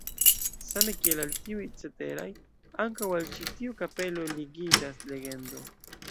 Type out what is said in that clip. Same kiel al tiuj ceteraj, ankaŭ al ĉi tiu kapelo ligiĝas legendo.